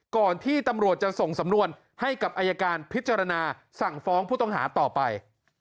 ก่อนที่ตำรวจจะส่งสำนวนให้กับอายการพิจารณาสั่งฟ้องผู้ต้องหาต่อไป